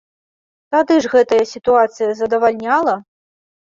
Тады ж гэтая сітуацыя задавальняла!